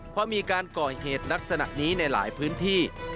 เพราะมีการก่อเหตุลักษณะนี้ในหลายพื้นที่